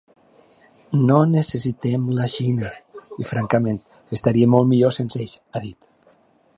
No necessitem la Xina i, francament, estaríem molt millor sense ells, ha dit.